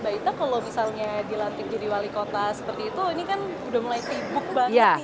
mbak itta kalau misalnya dilantik jadi wali kota seperti itu ini kan sudah mulai tibuk banget nih